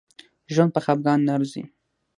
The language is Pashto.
ژوند په خپګان نه ارزي